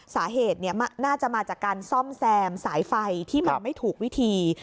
สาเหตุน่าจะมาจากการซ่อมแซมสายไฟที่มันไม่ถูกวิธี